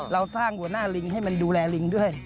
เราสร้างหัวหน้าลิงให้มันดูแลลิงด้วย